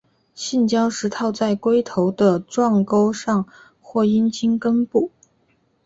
性交时套在龟头的状沟上或阴茎根部。